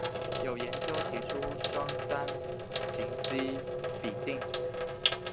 有研究提出双三嗪基吡啶。